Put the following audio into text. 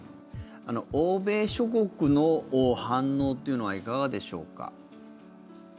欧米諸国の反応というのはいかがでしょうか。